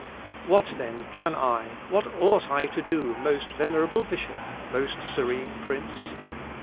"What then, can I, what ought I to do, most venerable Bishop, most serene Prince?